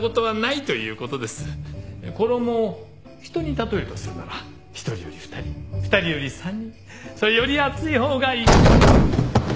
衣を人に例えるとするなら１人より２人２人より３人。より厚い方がいい。